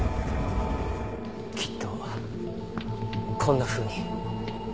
きっとこんなふうに。